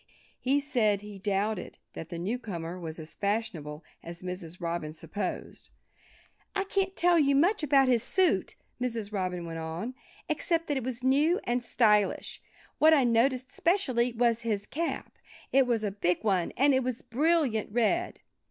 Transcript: He said he doubted that the newcomer was as fashionable as Mrs. Robin supposed. "I can't tell you much about his suit," Mrs. Robin went on, "except that it was new and stylish. What I noticed specially was his cap. It was a big one and it was a brilliant red."